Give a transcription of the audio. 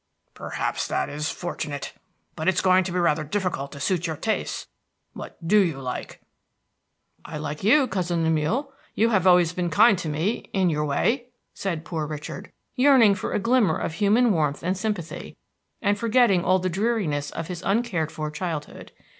"Perhaps that is fortunate. But it's going to be rather difficult to suit your tastes. What do you like?" "I like you, cousin Lemuel; you have always been kind to me in your way," said poor Richard, yearning for a glimmer of human warmth and sympathy, and forgetting all the dreariness of his uncared for childhood.